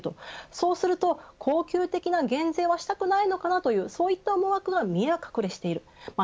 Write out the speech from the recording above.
そうすると恒久的な減税をしたくないのかなという思惑が見え隠れしています。